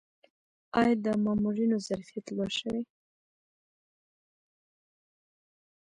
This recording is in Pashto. آیا د مامورینو ظرفیت لوړ شوی؟